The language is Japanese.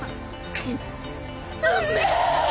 うんめえ！